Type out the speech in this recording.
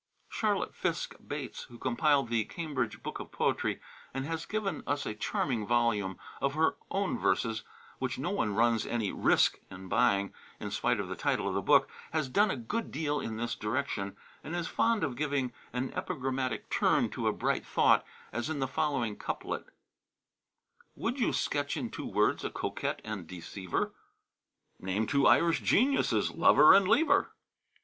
Charlotte Fiske Bates, who compiled the "Cambridge Book of Poetry," and has given us a charming volume of her own verses, which no one runs any "Risk" in buying, in spite of the title of the book, has done a good deal in this direction, and is fond of giving an epigrammatic turn to a bright thought, as in the following couplet: "Would you sketch in two words a coquette and deceiver? Name two Irish geniuses, Lover and Lever!"